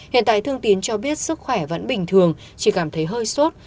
hiện tại thương tín cho biết sức khỏe vẫn bình thường chỉ cảm thấy hơi sốt